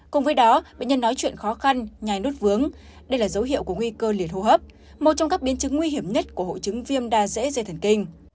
cùng với đó bệnh nhân nói chuyện khó khăn nhài nút vướng đây là dấu hiệu của nguy cơ liền hô hấp một trong các biến chứng nguy hiểm nhất của hội chứng viêm da dễ dây thần kinh